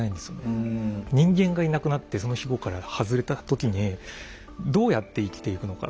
人間がいなくなってその庇護から外れた時にどうやって生きていくのか。